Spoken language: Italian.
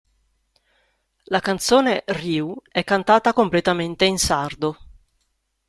La canzone "Riu" è cantata completamente in sardo.